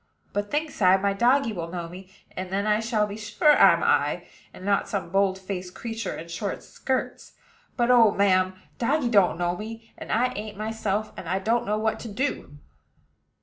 But, thinks I, my doggy will know me; and then I shall be sure I'm I, and not some boldfaced creature in short skirts. But, oh, ma'am! doggy don't know me; and I ain't myself, and I don't know what to do."